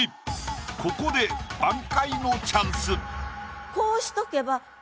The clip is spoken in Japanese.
ここで挽回のチャンス。